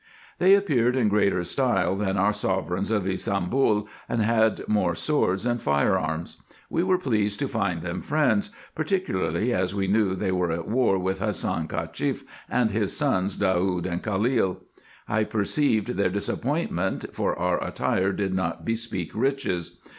They appeared in greater style than our sovereigns of Ybsambul, and had more swords and fire arms. We were pleased to find them friends, particularly as we knew they were at war with Hassan CachefF and his sons Daoud and Khalil. I perceived their disap pointment, for our attire did not bespeak riches.